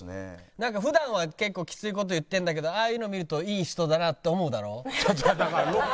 なんか普段は結構きつい事言ってるんだけどああいうの見るといい人だなと思うだろ？